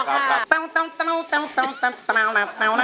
ผมแอดพี่สวัสดีครับ